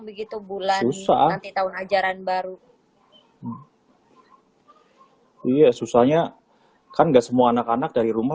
begitu bulan soal nanti tahun ajaran baru iya susahnya kan enggak semua anak anak dari rumah